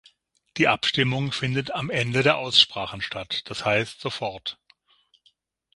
Die Abstimmung findet am Ende der Aussprachen statt, das heißt, sofort.